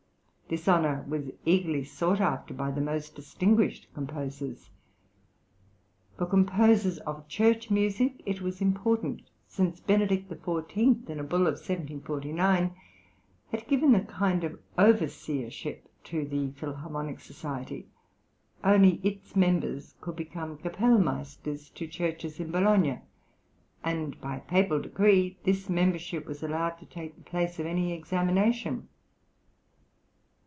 This honour was eagerly sought after by the most distinguished composers. For composers of church music it was important, since Benedict XIV., in a bull of 1749, had given a kind of overseership to the Philharmonic Society; only its members could become kapellmeisters to churches in Bologna, and by a Papal decree this membership was allowed to take the place of any examination.